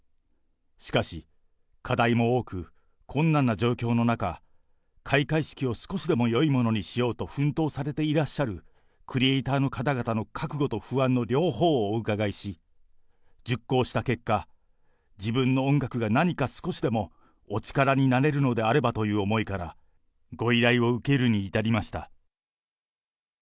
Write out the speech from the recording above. しかし、課題も多く、困難な状況の中、開会式を少しでもよいものにしようと奮闘されていらっしゃるクリエーターの方々の覚悟と不安の両方をお伺いし、熟考した結果、自分の音楽が何か少しでもお力になれるのであればという思いからご依頼を受けるに至りました。